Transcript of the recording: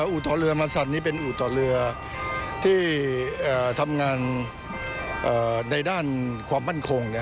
อู่ต่อเรือมสันนี้เป็นอู่ต่อเรือที่ทำงานในด้านความมั่นคง